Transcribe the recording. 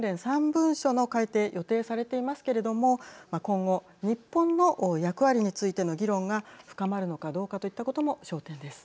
３文書の改訂、予定されていますけれども今後日本の役割についての議論が深まるのかどうかといったことも焦点です。